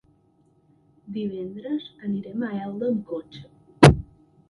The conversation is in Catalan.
Divendres anirem a Elda amb cotxe.